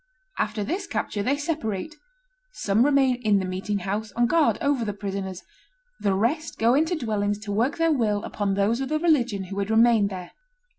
After this capture, they separate: some remain in the meeting house, on guard over the prisoners; the rest go into dwellings to work their will upon those of the religion who had remained there.